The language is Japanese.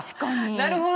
なるほど！